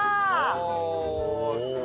あすごい。